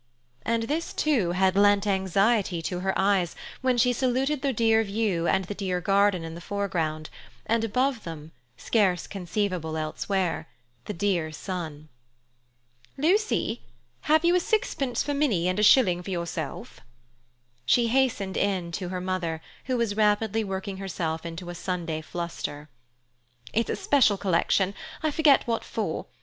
And this too had lent anxiety to her eyes when she saluted the dear view and the dear garden in the foreground, and above them, scarcely conceivable elsewhere, the dear sun. "Lucy—have you a sixpence for Minnie and a shilling for yourself?" She hastened in to her mother, who was rapidly working herself into a Sunday fluster. "It's a special collection—I forget what for.